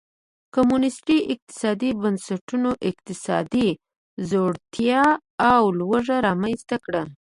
کمونېستي اقتصادي بنسټونو اقتصادي ځوړتیا او لوږه رامنځته کړه.